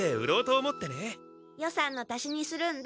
予算の足しにするんだ。